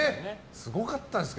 すごかったですよ